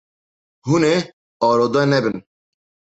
Hûn ê arode nebin.